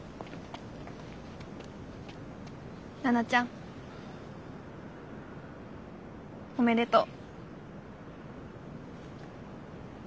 奈々ちゃんおめでとう。